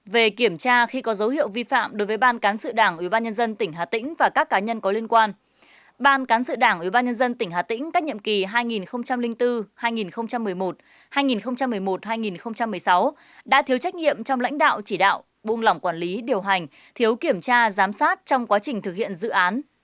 một về kiểm tra khi có dấu hiệu vi phạm đối với ban cán sự đảng ủy ban nhân dân tỉnh hà tĩnh và các cá nhân có liên quan ban cán sự đảng ủy ban nhân dân tỉnh hà tĩnh các nhiệm kỳ hai nghìn bốn hai nghìn một mươi một hai nghìn một mươi một hai nghìn một mươi sáu đã thiếu trách nhiệm trong lãnh đạo chỉ đạo buông lỏng quản lý điều hành thiếu kiểm tra giám sát trong quá trình thực hiện dự án